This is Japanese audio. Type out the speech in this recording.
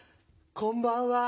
こんばんは。